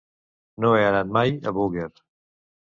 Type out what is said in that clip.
No he anat mai a Búger.